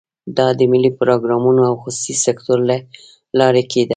دا د ملي پروګرامونو او خصوصي سکتور له لارې کېده.